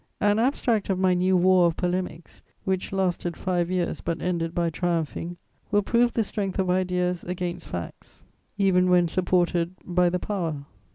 An abstract of my new war of polemics, which lasted five years but ended by triumphing, will prove the strength of ideas against facts even when supported by the power.